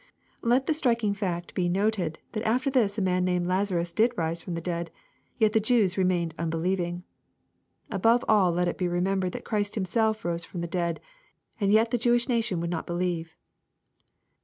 ] Let the striking fact be noted that after this a man named *' Lazarus" did rise from the dead, yet the JeAvs remained unbelieving 1 Above all let it be remembered that Christ Himself rose from the dead, and yet the Jewish nation would not believe